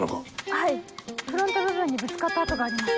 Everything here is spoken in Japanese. はいフロント部分にぶつかった跡があります。